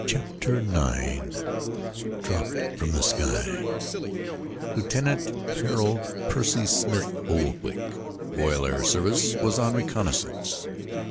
Chapter IX Dropped from the Sky Lieutenant Harold Percy Smith Oldwick, Royal Air Service, was on reconnaissance.